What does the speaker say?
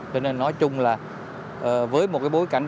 nên nói chung là với một cái bối cảnh